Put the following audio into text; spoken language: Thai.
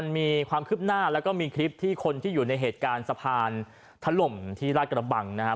มีความคืบหน้าแล้วก็มีคลิปที่คนที่อยู่ในเหตุการณ์สะพานถล่มที่ราชกระบังนะครับ